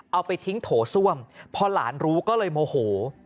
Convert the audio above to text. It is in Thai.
เอาไปทิ้งโถส้วมพอหลานรู้ก็เลยโมโห